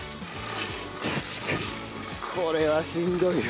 確かにこれはしんどいわ。